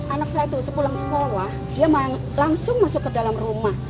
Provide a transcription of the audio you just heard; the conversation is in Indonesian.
anak saya itu sepulang sekolah dia langsung masuk ke dalam rumah